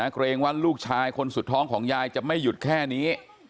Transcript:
เกรงว่าลูกชายคนสุดท้องของยายจะไม่หยุดแค่นี้